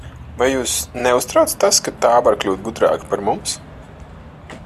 Vai jūs neuztrauc tas, ka tā var kļūt gudrāka par mums?